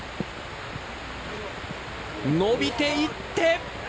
伸びていって。